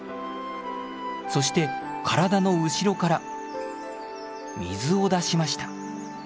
そして体の後ろから水を出しました。